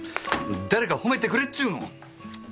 誰か褒めてくれっちゅうの！